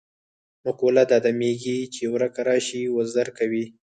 مقوله ده: د میږي چې ورکه راشي وزر کوي.